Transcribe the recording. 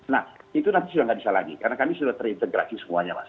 nah itu nanti sudah tidak bisa lagi karena kami sudah terintegrasi semuanya mas